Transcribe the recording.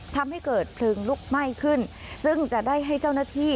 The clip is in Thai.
ทำให้เกิดเพลิงลุกไหม้ขึ้นซึ่งจะได้ให้เจ้าหน้าที่